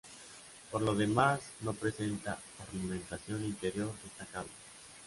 Por lo demás no presenta ornamentación interior destacable.